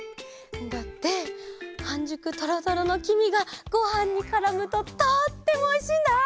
だってはんじゅくトロトロのきみがごはんにからむととってもおいしいんだ！